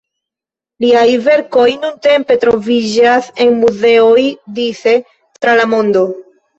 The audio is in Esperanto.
Liaj verkoj nuntempe troviĝas en muzeoj dise tra la mondo.